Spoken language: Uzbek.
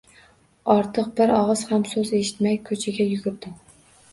Ortiq bir og`iz ham so`z eshitmay, ko`chaga yugurdim